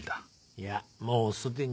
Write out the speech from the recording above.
いやもうすでに。